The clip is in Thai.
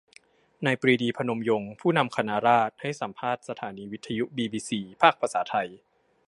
นายปรีดี พนมยงค์ ผู้นำคณะราษฎรให้สัมภาษณ์สถานีวิทยุบีบีซี ภาคภาษาไทย